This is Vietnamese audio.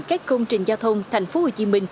các công trình giao thông tp hcm